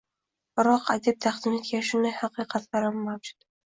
Biroq adib taqdim etgan shunday haqiqatlaram mavjud.